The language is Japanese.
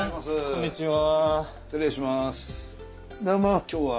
こんにちは。